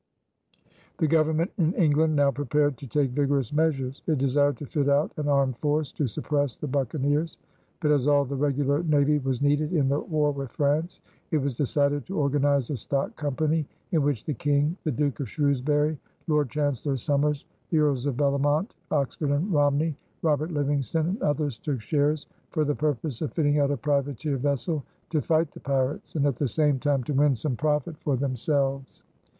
The Government in England now prepared to take vigorous measures. It desired to fit out an armed force to suppress the buccaneers; but as all the regular navy was needed in the war with France it was decided to organize a stock company in which the King, the Duke of Shrewsbury, Lord Chancellor Somers, the Earls of Bellomont, Oxford, and Romney, Robert Livingston, and others took shares, for the purpose of fitting out a privateer vessel to fight the pirates and at the same time to win some profit for themselves.